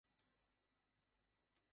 ও পালাবার পথ খুঁজছে।